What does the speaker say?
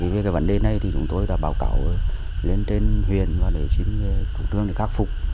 về cái vấn đề này thì chúng tôi đã báo cáo lên trên huyền và để xin chủ trương để khắc phục